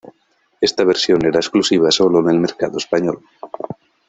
Esta versión era exclusiva solo en el mercado español.